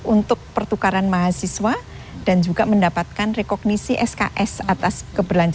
untuk pertukaran mahasiswa dan juga mendapatkan pendapatan dari penduduk yang sudah berguna untuk